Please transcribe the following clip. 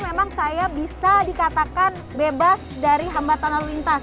memang saya bisa dikatakan bebas dari hambatan lalu lintas